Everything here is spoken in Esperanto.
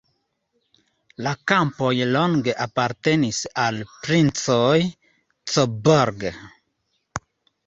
La kampoj longe apartenis al princoj Coburg.